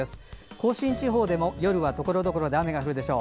甲信地方でも、夜はところどころで雨が降るでしょう。